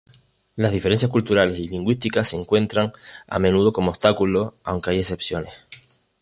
Las diferencias culturales y lingüísticas se encuentran a menudo como obstáculos, aunque hay excepciones.